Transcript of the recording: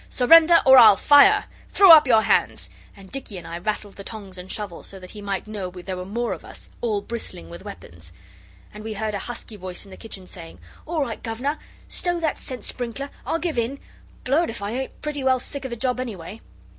Surrender, or I'll fire! Throw up your hands!' And Dicky and I rattled the tongs and shovel so that he might know there were more of us, all bristling with weapons. And we heard a husky voice in the kitchen saying 'All right, governor! Stow that scent sprinkler. I'll give in. Blowed if I ain't pretty well sick of the job, anyway.